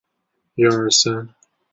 大绿竹为禾本科绿竹属下的一个种。